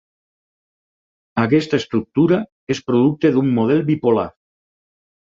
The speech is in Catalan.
Aquesta estructura és producte d'un model bipolar.